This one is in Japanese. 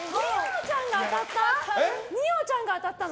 二葉ちゃんが当たったの？